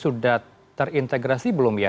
sudah terintegrasi belum ya